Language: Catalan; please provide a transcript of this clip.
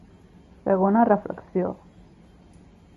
Segona reflexió.